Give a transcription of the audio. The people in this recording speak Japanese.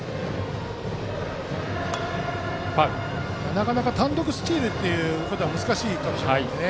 なかなか単独スチールは難しいかもしれませんね。